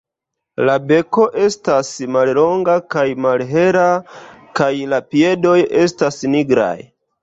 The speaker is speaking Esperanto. La beko estas mallonga kaj malhela kaj la piedoj estas nigraj.